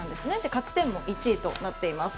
勝ち点も１位となっています。